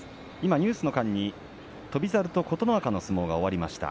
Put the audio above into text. ニュースの間に翔猿と琴ノ若の相撲が終わりました。